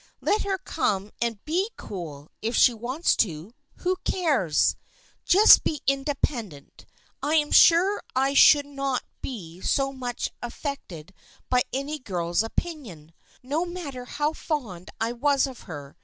Let her come and be cool, if she wants to. Who cares ? Just be inde pendent. I'm sure I should not be so much af fected by any girl's opinion, no matter how fond I was of her.